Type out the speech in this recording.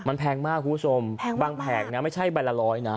มันแพงมากคุณผู้ชมแพงบางแผงนะไม่ใช่ใบละร้อยนะ